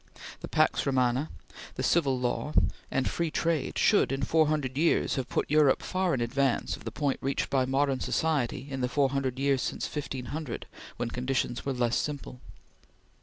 The Pax Romana, the Civil Law, and Free Trade should, in four hundred years, have put Europe far in advance of the point reached by modern society in the four hundred years since 1500, when conditions were less simple.